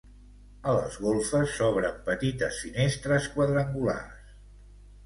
A les golfes s'obren petites finestres quadrangulars.